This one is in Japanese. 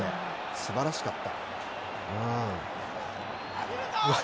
素晴らしかった。